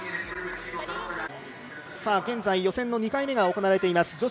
現在予選の２回目が行われています